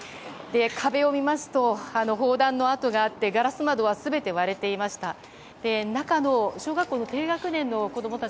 壁を見ますと砲弾の跡があってガラスなどは全て割れていました。